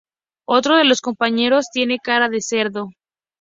Otro de los compañeros, tiene cara de cerdo.